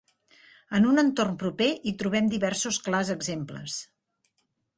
En un entorn proper hi trobem diversos clars exemples.